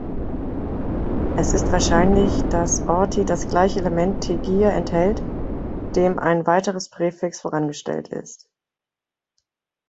Es ist wahrscheinlich, dass Authie das gleiche Element „tegia“ enthält, dem ein weiteres Präfix vorangestellt ist.